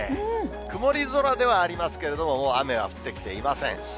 曇り空ではありますけれども、もう雨は降ってきていません。